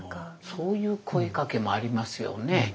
そういう声かけもありますよね。